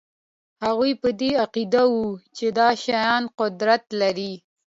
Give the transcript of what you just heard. هغوی په دې عقیده وو چې دا شیان قدرت لري